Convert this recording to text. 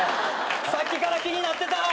さっきから気になってた。